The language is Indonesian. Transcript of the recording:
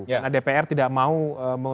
karena dpr tidak mau mengumpulkan